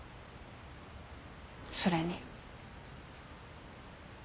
それに。